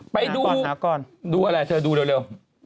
ไปดูดูอะไรเธอดูเร็วน้ำก่อน